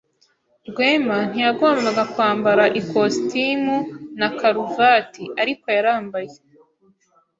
Rwema ntiyagombaga kwambara ikositimu na karuvati, ariko yarambaye.